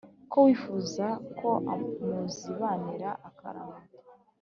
ko wifuza ko muzibanira akaramata,